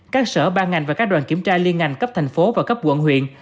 các sở ban ngành và các đoàn kiểm tra liên ngành cấp thành phố và cấp quận huyện